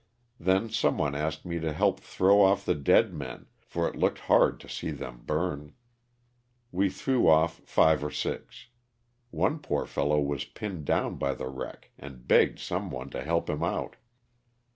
Then some one asked me to help throw off the dead men, for it looked hard to see them burn. We threw off five or six. One poor fellow was pinned down by the wreck and begged some one to help him out.